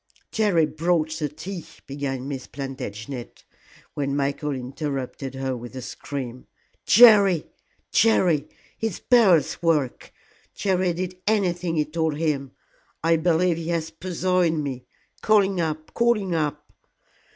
"Jerry brought the tea," began Miss Plantagenet, when Michael interrupted her with a scream. "Jerry! Jerry! It's Beryl's work. Jerry did anything he told him. I believe he has poisoned me. Call him up call him up."